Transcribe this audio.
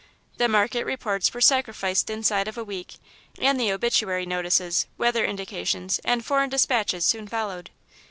The market reports were sacrificed inside of a week, and the obituary notices, weather indications, and foreign despatches soon followed.